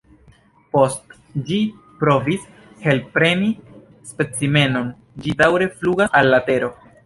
Post ĝi provis elpreni specimenon, ĝi daŭre flugas al la tero.